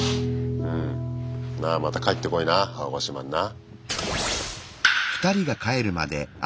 なまた帰ってこいな青ヶ島にな。